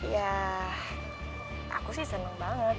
ya aku sih seneng banget